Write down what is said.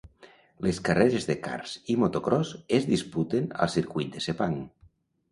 Les carreres de karts i motocròs es disputen al Circuit de Sepang.